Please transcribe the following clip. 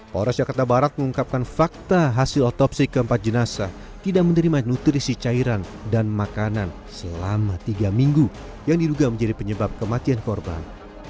polres jakarta barat mengungkapkan fakta hasil otopsi keempat jenasa tidak menerima nutrisi cairan dan makanan selama tiga minggu yang diduga menjadi penyebab kematian korban